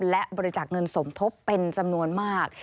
และบริจาคเงินสมทบเป็นจำนวนมาก